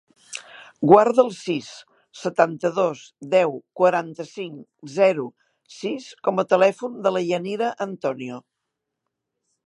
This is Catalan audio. Guarda el sis, setanta-dos, deu, quaranta-cinc, zero, sis com a telèfon de la Yanira Antonio.